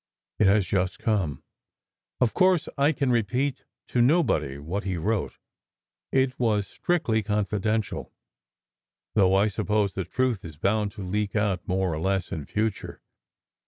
It has just come. Of course, I can repeat to nobody what he wrote. It was strictly confidential, though I suppose the truth is bound to leak out, more or less, in future.